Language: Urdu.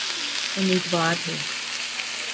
امیدوار ہے۔